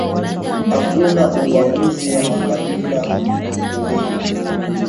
Akuna ubaguzi ya ma kabila muku rima